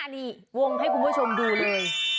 นี่วงให้คุณผู้ชมดูเลย